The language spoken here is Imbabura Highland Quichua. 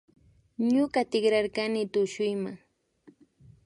Ñuka tikrarkani tushuyma